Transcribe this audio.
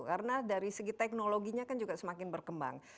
karena dari segi teknologinya kan juga semakin berkembang